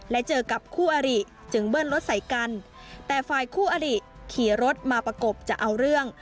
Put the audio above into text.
และเจอกับคู่อริจึงเบิ้ลรถใส่กันแต่ฝ่ายคู่อริขี่รถมาประกบจะเอาเรื่อง